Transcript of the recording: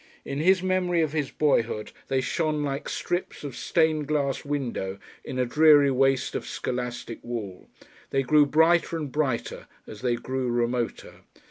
In his memory of his boyhood they shone like strips of stained glass window in a dreary waste of scholastic wall, they grew brighter and brighter as they grew remoter.